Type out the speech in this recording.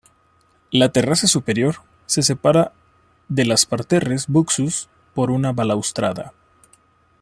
La terraza superior se separa de los parterres buxus por una balaustrada.